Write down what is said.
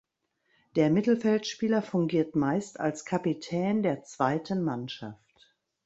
Der Mittelfeldspieler fungiert meist als Kapitän der zweiten Mannschaft.